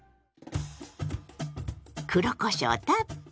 黒こしょうたっぷり！